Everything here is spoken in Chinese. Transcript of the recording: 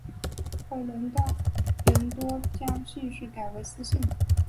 后人多将姓氏改为司姓。